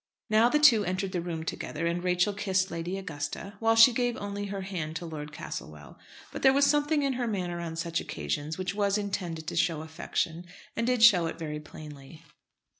Now, the two entered the room together, and Rachel kissed Lady Augusta, while she gave only her hand to Lord Castlewell. But there was something in her manner on such occasions which was intended to show affection, and did show it very plainly.